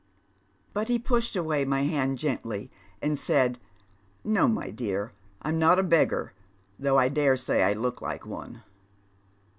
*" But he pushed away my hand gently, and said, ' No, my dear, I'm not a beggar, though I dare eay I look like one.'